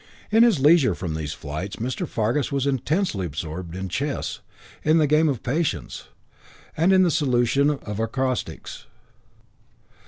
In his leisure from these flights Mr. Fargus was intensely absorbed in chess, in the game of Patience, and in the solution of acrostics.